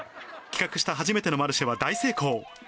企画した初めてのマルシェは大成功。